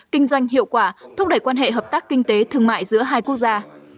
kinh doanh hiệu quả thúc đẩy quan hệ hợp tác kinh tế thương mại giữa hai quốc gia